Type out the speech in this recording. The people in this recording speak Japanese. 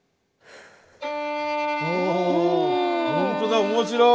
ほんとだ面白い。